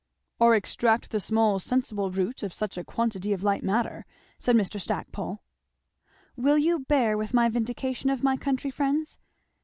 "Or extract the small sensible root of such a quantity of light matter," said Mr. Stackpole. "Will you bear with my vindication of my country friends?